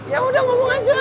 ya udah ngomong aja